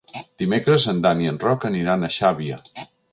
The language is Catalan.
Dimecres en Dan i en Roc aniran a Xàbia.